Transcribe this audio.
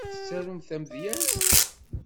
Tettarumt tamedyezt?